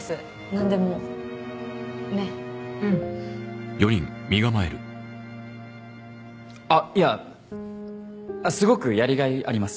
なんでもねっうんあっいやすごくやりがいあります